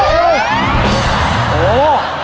โอ้โห